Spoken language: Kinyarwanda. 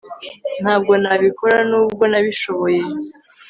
Ntabwo nabikora nubwo nabishoboye